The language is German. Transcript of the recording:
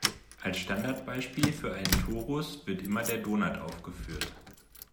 Als Standardbeispiel für einen Torus wird immer der Donut aufgeführt.